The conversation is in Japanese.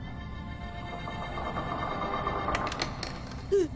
うっ。